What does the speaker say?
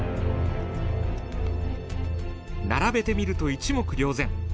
並べてみると一目瞭然。